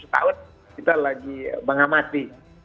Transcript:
setahun kita lagi bangga mati